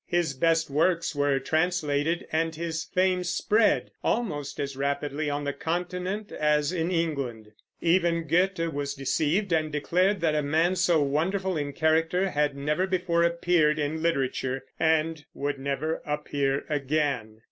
His best works were translated, and his fame spread almost as rapidly on the Continent as in England. Even Goethe was deceived, and declared that a man so wonderful in character had never before appeared in literature, and would never appear again.